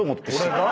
俺が？